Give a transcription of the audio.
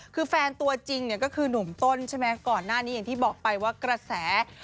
คือแฟนตัวจริงเนี่ยก็คือหนุ่มต้นใช่ไหมก่อนหน้านี้อย่างที่บอกไปว่ากระแส